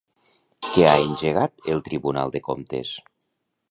Què ha engegat el Tribunal de Comptes?